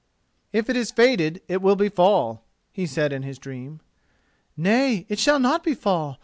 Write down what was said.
"If it is fated it will befall," he said in his dream. "Nay, it shall not befall.